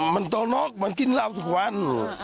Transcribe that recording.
มันโตนกมันกินเหล้าทุกวัน